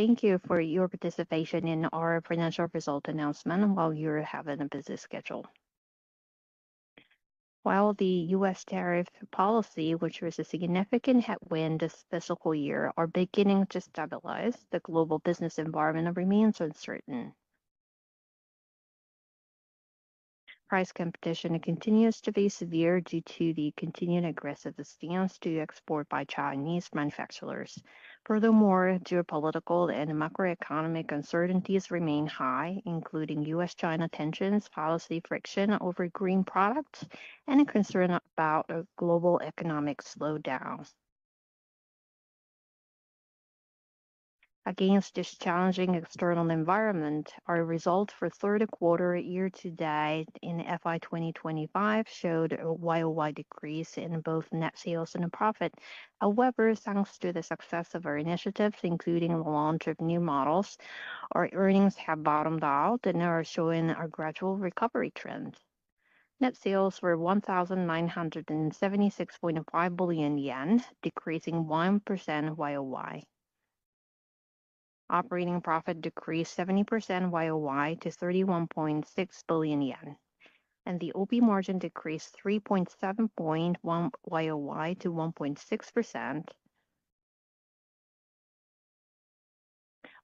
Thank you for your participation in our financial result announcement while you're having a busy schedule. While the U.S. tariff policy, which was a significant headwind this fiscal year, is beginning to stabilize, the global business environment remains uncertain. Price competition continues to be severe due to the continued aggressive stance to export by Chinese manufacturers. Furthermore, geopolitical and macroeconomic uncertainties remain high, including U.S.-China tensions, policy friction over green products, and a concern about a global economic slowdown. Against this challenging external environment, our results for third quarter year-to-date in FY 2025 showed a worldwide decrease in both net sales and profit. However, thanks to the success of our initiatives, including the launch of new models, our earnings have bottomed out and are showing a gradual recovery trend. Net sales were 1,976.5 billion yen, decreasing 1% worldwide. Operating profit decreased 70% worldwide to 31.6 billion yen, and the OP margin decreased 3.71% worldwide to 1.6%.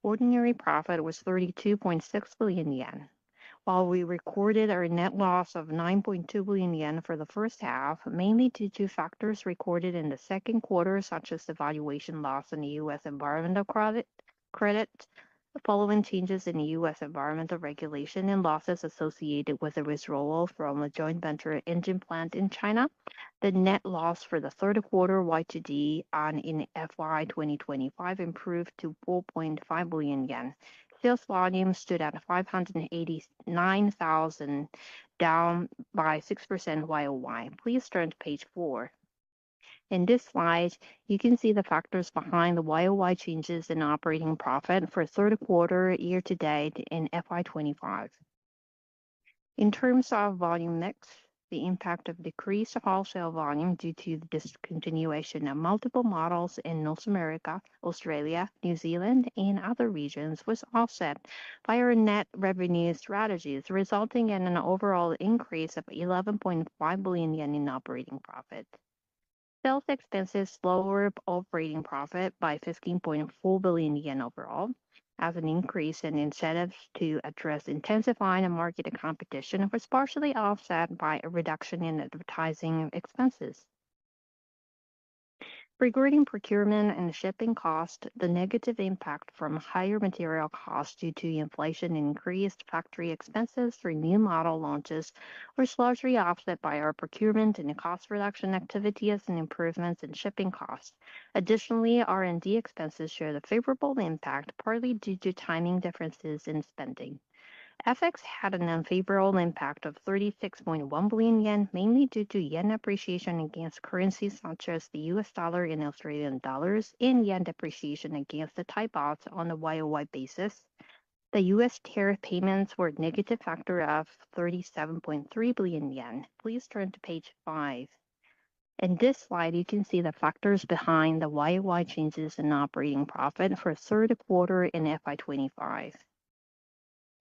Ordinary profit was 32.6 billion yen. While we recorded our net loss of 9.2 billion yen for the first half, mainly due to factors recorded in the second quarter, such as devaluation loss in the U.S. environmental credit, the following changes in the U.S. environmental regulation, and losses associated with the withdrawal from a joint venture engine plant in China, the net loss for the third quarter YTD in FY 2025 improved to 4.5 billion yen. Sales volume stood at 589,000, down by 6% worldwide. Please turn to page 4. In this slide, you can see the factors behind the worldwide changes in operating profit for third quarter year-to-date in FY2025. In terms of volume mix, the impact of decreased wholesale volume due to the discontinuation of multiple models in North America, Australia, New Zealand, and other regions was offset by our net revenue strategies, resulting in an overall increase of 11.5 billion yen in operating profit. Sales expenses lowered operating profit by 15.4 billion yen overall, as an increase in incentives to address intensifying market competition was partially offset by a reduction in advertising expenses. Regarding procurement and shipping costs, the negative impact from higher material costs due to inflation and increased factory expenses for new model launches was largely offset by our procurement and cost reduction activities and improvements in shipping costs. Additionally, R&D expenses showed a favorable impact, partly due to timing differences in spending. FX had an unfavorable impact of 36.1 billion yen, mainly due to yen appreciation against currencies such as the U.S. dollar and Australian dollars, and yen depreciation against Thai baht on a worldwide basis. The U.S. tariff payments were a negative factor of 37.3 billion yen. Please turn to page 5. In this slide, you can see the factors behind the worldwide changes in operating profit for third quarter in FY 2025.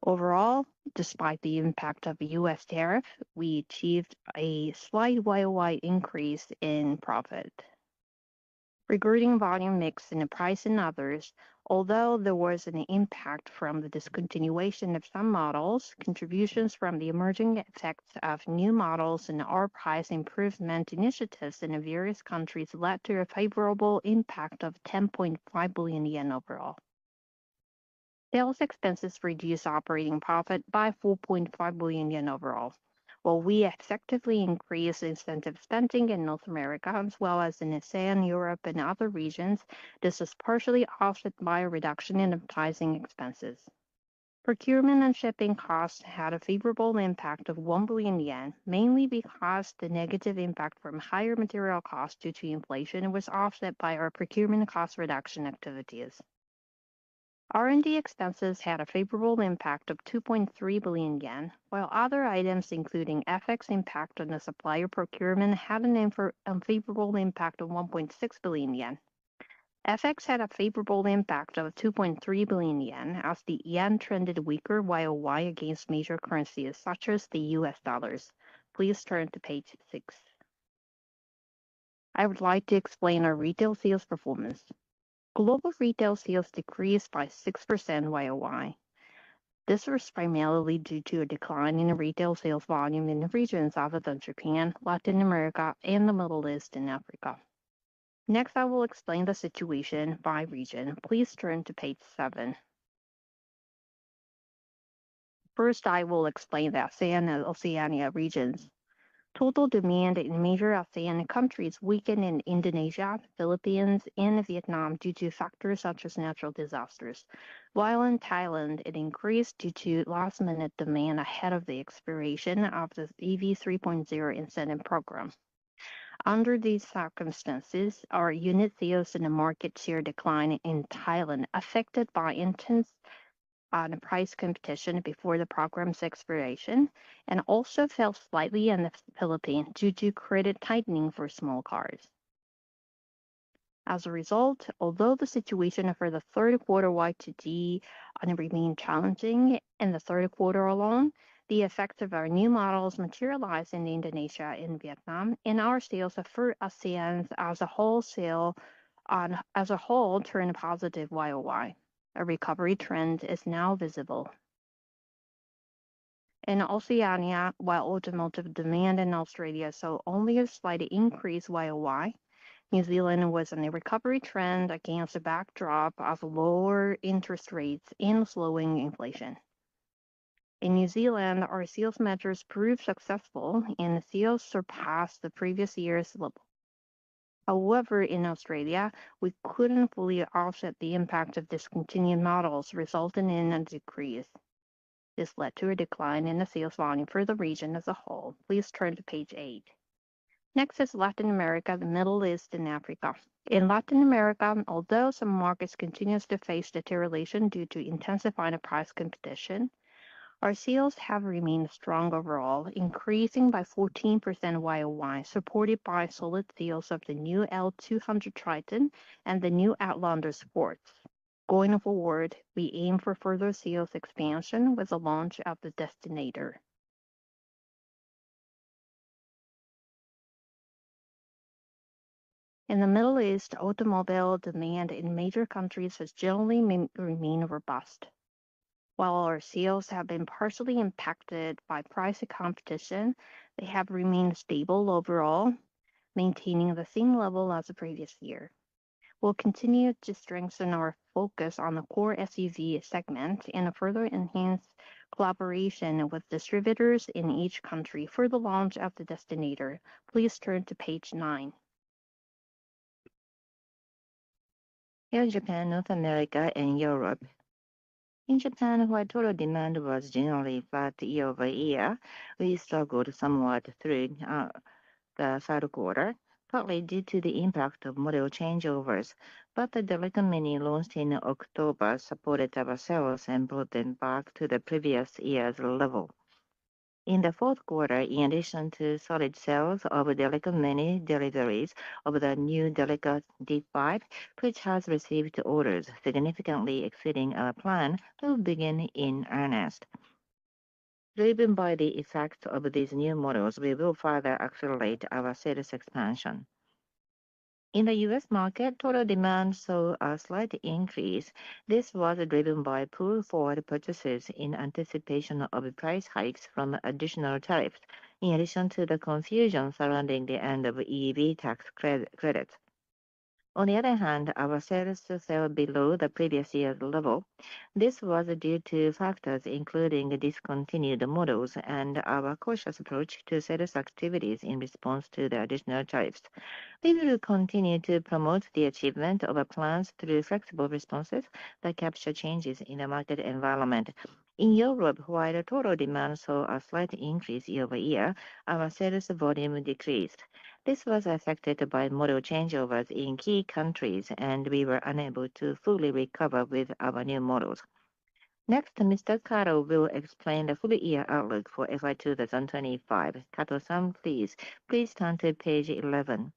Overall, despite the impact of the U.S. tariff, we achieved a slight worldwide increase in profit. Regarding volume mix in price and others, although there was an impact from the discontinuation of some models, contributions from the emerging effects of new models and our price improvement initiatives in various countries led to a favorable impact of 10.5 billion yen overall. Sales expenses reduced operating profit by 4.5 billion yen overall. While we effectively increased incentive spending in North America as well as in ASEAN, Europe, and other regions, this was partially offset by a reduction in advertising expenses. Procurement and shipping costs had a favorable impact of 1 billion yen, mainly because the negative impact from higher material costs due to inflation was offset by our procurement cost reduction activities. R&D expenses had a favorable impact of 2.3 billion yen, while other items, including FX impact on the supplier procurement, had an unfavorable impact of 1.6 billion yen. FX had a favorable impact of 2.3 billion yen as the yen trended weaker worldwide against major currencies such as the U.S. dollar. Please turn to page 6. I would like to explain our retail sales performance. Global retail sales decreased by 6% worldwide. This was primarily due to a decline in retail sales volume in regions other than Japan, Latin America, and the Middle East, and Africa. Next, I will explain the situation by region. Please turn to page 7. First, I will explain the ASEAN and Oceania regions. Total demand in major ASEAN countries weakened in Indonesia, Philippines, and Vietnam due to factors such as natural disasters, while in Thailand it increased due to last-minute demand ahead of the expiration of the EV 3.0 incentive program. Under these circumstances, our unit sales and market share declined in Thailand, affected by intense price competition before the program's expiration, and also fell slightly in the Philippines due to credit tightening for small cars. As a result, although the situation for the third quarter YTD remained challenging, in the third quarter alone, the effects of our new models materialized in Indonesia and Vietnam, and our sales in ASEAN as a whole, sales as a whole, turned positive worldwide. A recovery trend is now visible. In Oceania, while ultimate demand in Australia saw only a slight increase worldwide, New Zealand was in a recovery trend against a backdrop of lower interest rates and slowing inflation. In New Zealand, our sales measures proved successful, and the sales surpassed the previous year's level. However, in Australia, we couldn't fully offset the impact of discontinued models, resulting in a decrease. This led to a decline in the sales volume for the region as a whole. Please turn to page 8. Next is Latin America, the Middle East, and Africa. In Latin America, although some markets continue to face deterioration due to intensifying price competition, our sales have remained strong overall, increasing by 14% worldwide, supported by solid sales of the new L200 Triton and the new Outlander Sport. Going forward, we aim for further sales expansion with the launch of the Destinator. In the Middle East, automobile demand in major countries has generally remained robust. While our sales have been partially impacted by pricing competition, they have remained stable overall, maintaining the same level as the previous year. We'll continue to strengthen our focus on the core SUV segment and further enhance collaboration with distributors in each country for the launch of the Destinator. Please turn to page 9. In Japan, North America, and Europe. In Japan, while total demand was generally flat year over year, we struggled somewhat through the third quarter, partly due to the impact of model changeovers, but the Delica Mini launched in October supported our sales and brought them back to the previous year's level. In the fourth quarter, in addition to solid sales of Delica Mini deliveries of the new Delica D:5, which has received orders significantly exceeding our plan, will begin in earnest. Driven by the effects of these new models, we will further accelerate our sales expansion. In the U.S. market, total demand saw a slight increase. This was driven by pull-forward purchases in anticipation of price hikes from additional tariffs, in addition to the confusion surrounding the end of EV tax credits. On the other hand, our sales fell below the previous year's level. This was due to factors including discontinued models and our cautious approach to sales activities in response to the additional tariffs. We will continue to promote the achievement of our plans through flexible responses that capture changes in the market environment. In Europe, while total demand saw a slight increase year-over-year, our sales volume decreased. This was affected by model changeovers in key countries, and we were unable to fully recover with our new models. Next, Mr. Kato will explain the full-year outlook for FY2025. Kato-san, please. Please turn to page 11.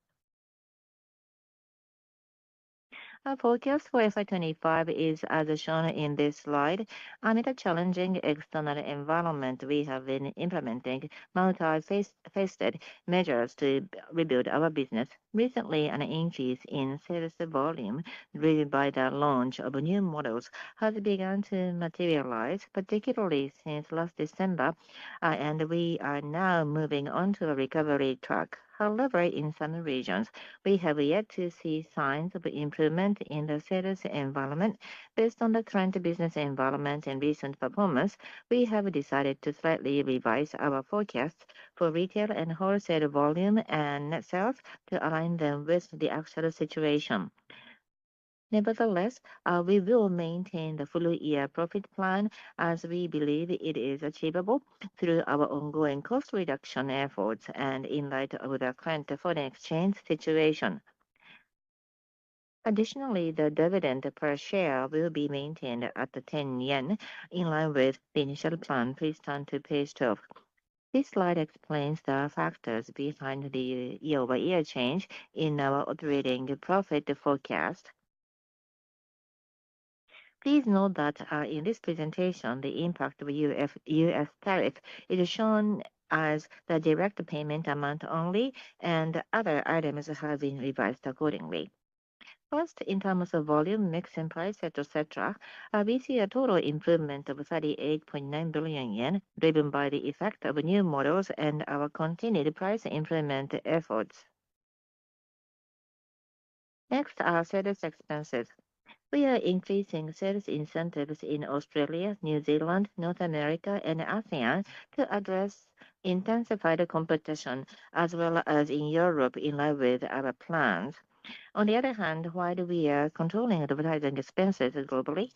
Our forecast for FY2025 is as shown in this slide. Amid a challenging external environment, we have been implementing multi-faceted measures to rebuild our business. Recently, an increase in sales volume driven by the launch of new models has begun to materialize, particularly since last December, and we are now moving onto a recovery track. However, in some regions, we have yet to see signs of improvement in the sales environment. Based on the current business environment and recent performance, we have decided to slightly revise our forecasts for retail and wholesale volume and net sales to align them with the actual situation. Nevertheless, we will maintain the full-year profit plan as we believe it is achievable through our ongoing cost reduction efforts and in light of the current foreign exchange situation. Additionally, the dividend per share will be maintained at 10 yen, in line with the initial plan. Please turn to page 12. This slide explains the factors behind the year-over-year change in our operating profit forecast. Please note that in this presentation, the impact of U.S. tariffs is shown as the direct payment amount only, and other items have been revised accordingly. First, in terms of volume, mix, and price, etc., we see a total improvement of 38.9 billion yen, driven by the effect of new models and our continued price improvement efforts. Next are sales expenses. We are increasing sales incentives in Australia, New Zealand, North America, and ASEAN to address intensified competition, as well as in Europe, in line with our plans. On the other hand, while we are controlling advertising expenses globally,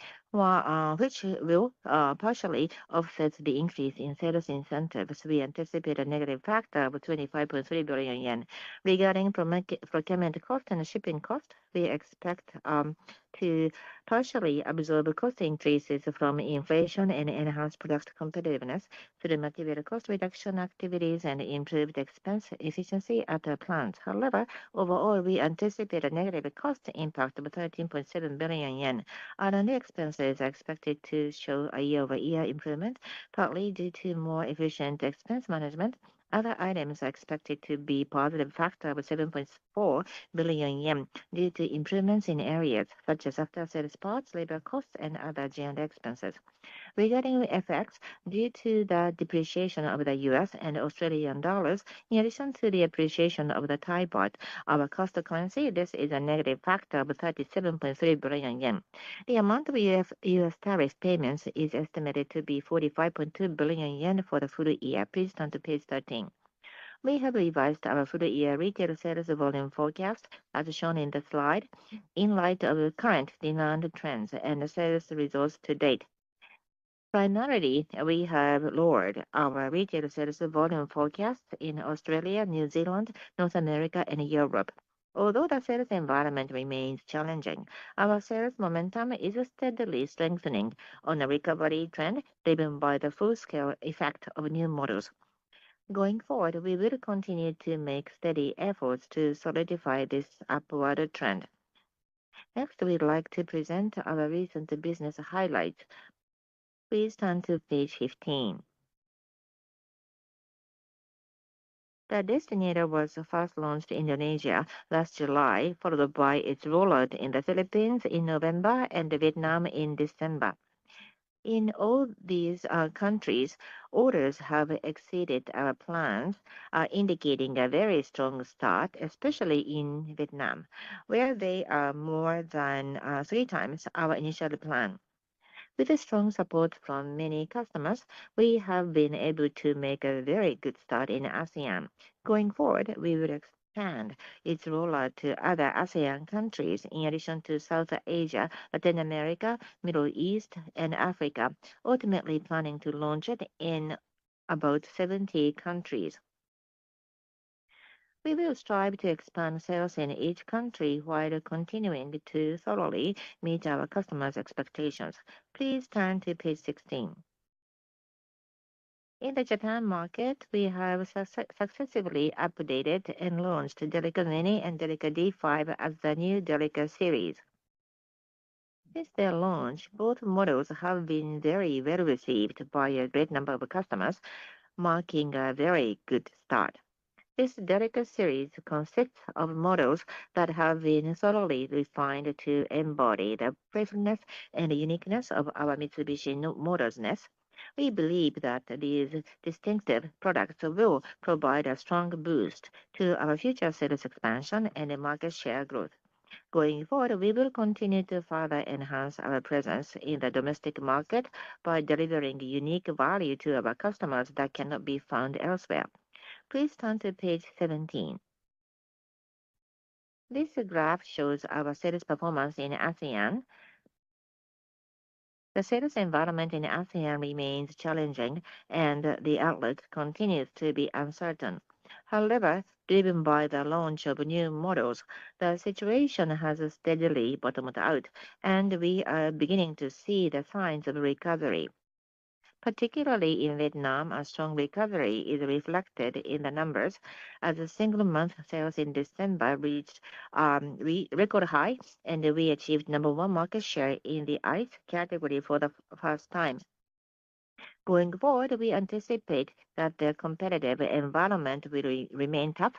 which will partially offset the increase in sales incentives, we anticipate a negative factor of 25.3 billion yen. Regarding procurement costs and shipping costs, we expect to partially absorb cost increases from inflation and enhanced product competitiveness through material cost reduction activities and improved expense efficiency at our plants. However, overall, we anticipate a negative cost impact of 13.7 billion yen. Other new expenses are expected to show a year-over-year improvement, partly due to more efficient expense management. Other items are expected to be a positive factor of 7.4 billion yen due to improvements in areas such as after-sales parts, labor costs, and other general expenses. Regarding FX, due to the depreciation of the U.S. and Australian dollars, in addition to the appreciation of Thai baht, our custom currency, this is a negative factor of 37.3 billion yen. The amount of U.S. tariff payments is estimated to be 45.2 billion yen for the full year. Please turn to page 13. We have revised our full-year retail sales volume forecast, as shown in the slide, in light of current demand trends and sales results to date. Primarily, we have lowered our retail sales volume forecasts in Australia, New Zealand, North America, and Europe. Although the sales environment remains challenging, our sales momentum is steadily strengthening on a recovery trend driven by the full-scale effect of new models. Going forward, we will continue to make steady efforts to solidify this upward trend. Next, we'd like to present our recent business highlights. Please turn to page 15. The Destinator was first launched in Indonesia last July, followed by its rollout in the Philippines in November and Vietnam in December. In all these countries, orders have exceeded our plans, indicating a very strong start, especially in Vietnam, where they are more than three times our initial plan. With strong support from many customers, we have been able to make a very good start in ASEAN. Going forward, we will expand its rollout to other ASEAN countries, in addition to South Asia, Latin America, Middle East, and Africa, ultimately planning to launch it in about 70 countries. We will strive to expand sales in each country while continuing to thoroughly meet our customers' expectations. Please turn to page 16. In the Japan market, we have successively updated and launched Delica Mini and Delica D:5 as the new Delica series. Since their launch, both models have been very well received by a great number of customers, marking a very good start. This Delica series consists of models that have been thoroughly refined to embody the richness and uniqueness of our Mitsubishi Motors-ness. We believe that these distinctive products will provide a strong boost to our future sales expansion and market share growth. Going forward, we will continue to further enhance our presence in the domestic market by delivering unique value to our customers that cannot be found elsewhere. Please turn to page 17. This graph shows our sales performance in ASEAN. The sales environment in ASEAN remains challenging, and the outlook continues to be uncertain. However, driven by the launch of new models, the situation has steadily bottomed out, and we are beginning to see the signs of recovery. Particularly in Vietnam, a strong recovery is reflected in the numbers, as single-month sales in December reached a record high, and we achieved number one market share in the ICE category for the first time. Going forward, we anticipate that the competitive environment will remain tough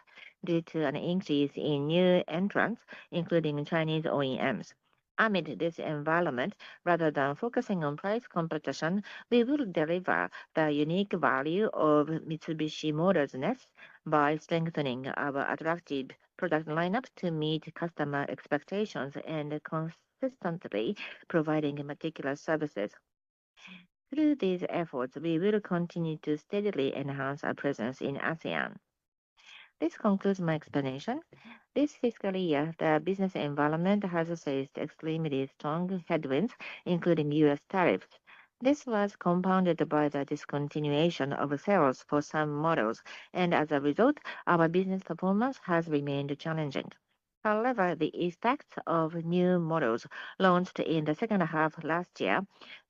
due to an increase in new entrants, including Chinese OEMs. Amid this environment, rather than focusing on price competition, we will deliver the unique value of Mitsubishi Motors-ness by strengthening our attractive product lineup to meet customer expectations and consistently providing meticulous services. Through these efforts, we will continue to steadily enhance our presence in ASEAN. This concludes my explanation. This fiscal year, the business environment has faced extremely strong headwinds, including U.S. tariffs. This was compounded by the discontinuation of sales for some models, and as a result, our business performance has remained challenging. However, the effects of new models launched in the second half last year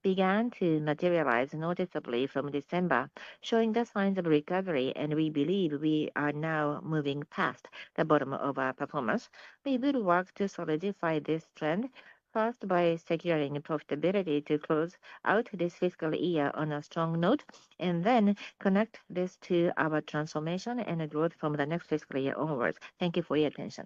began to materialize noticeably from December, showing the signs of recovery, and we believe we are now moving past the bottom of our performance. We will work to solidify this trend, first by securing profitability to close out this fiscal year on a strong note, and then connect this to our transformation and growth from the next fiscal year onwards. Thank you for your attention.